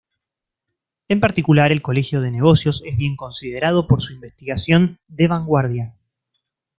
En particular, el Colegio de Negocios es bien considerado por su investigación de vanguardia.